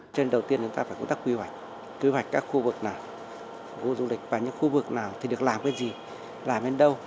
cho nên đầu tiên chúng ta phải công tác quy hoạch quy hoạch các khu vực nào khu du lịch và những khu vực nào thì được làm bên gì làm bên đâu